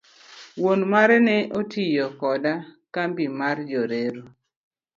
Wuon mare ne otiyo koda kambi mar Jo reru.